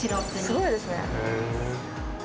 すごいですね。